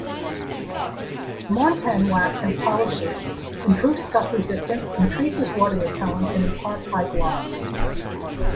Montan wax in polishes improves scuff resistance, increases water repellence, and imparts high gloss.